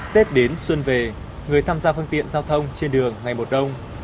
tết đến xuân về người tham gia phương tiện giao thông trên đường ngày một đông